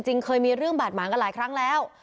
เคยมีเรื่องบาดหมางกันหลายครั้งแล้ว